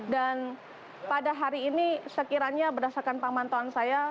dan pada hari ini sekiranya berdasarkan pemantauan saya